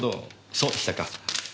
そうでしたか。